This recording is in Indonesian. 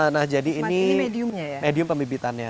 nah jadi ini medium pembibitannya